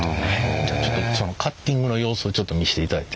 じゃあちょっとそのカッティングの様子をちょっと見せていただいて？